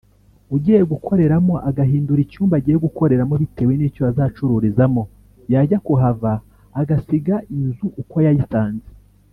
ugiye gukoreramo agahindura icyumba agiye gukoreramo bitewe n’icyo azacururizamo yajya kuhava agasiga inzu uko yayisanze